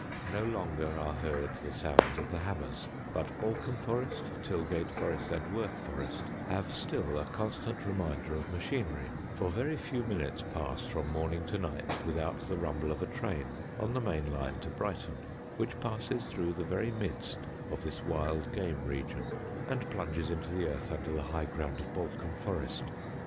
No longer are heard the sounds of the hammers, but Balcombe Forest, Tilgate Forest, and Worth Forest have still a constant reminder of machinery, for very few minutes pass from morning to night without the rumble of a train on the main line to Brighton, which passes through the very midst of this wild game region, and plunges into the earth under the high ground of Balcombe Forest.